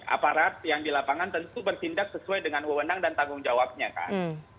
aparat yang di lapangan tentu bertindak sesuai dengan wewenang dan tanggung jawabnya kan